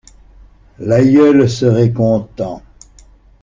L'aïeul serait content.